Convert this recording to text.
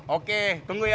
oke tunggu ya